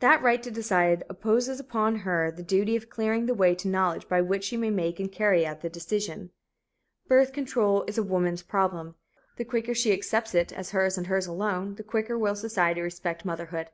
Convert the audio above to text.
That right to decide imposes upon her the duty of clearing the way to knowledge by which she may make and carry out the decision. Birth control is woman's problem. The quicker she accepts it as hers and hers alone, the quicker will society respect motherhood.